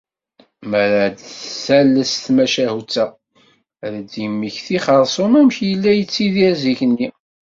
Mi ara as-d-tales tamacahut-a, ad d-yemmekti xeṛsum amek illa ittidir zikenni.